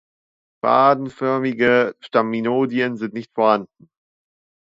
Fadenförmige Staminodien sind nicht vorhanden.